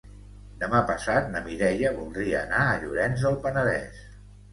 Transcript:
Demà passat na Mireia voldria anar a Llorenç del Penedès.